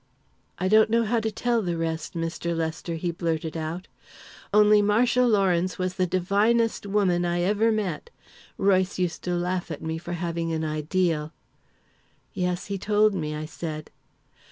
"I don't know how to tell the rest, Mr. Lester," he blurted out. "Only Marcia Lawrence was the divinest woman I ever met. Royce used to laugh at me for having an ideal." "Yes, he told me," I said.